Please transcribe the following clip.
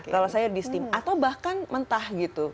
ya kalau sayur di steam atau bahkan mentah gitu